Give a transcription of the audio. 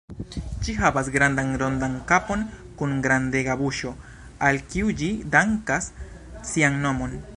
Ĝi havas grandan, rondan kapon kun grandega buŝo, al kiu ĝi dankas sian nomon.